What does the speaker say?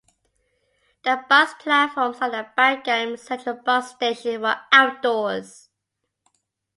The bus platforms at the Bat Galim Central Bus Station were outdoors.